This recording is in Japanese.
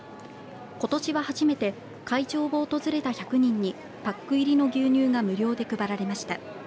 ことしは初めて会場を訪れた１００人にパック入りの牛乳が無料で配られました。